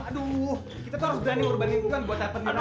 aduh kita tuh harus berani mengurbanimu kan buat apen dia aja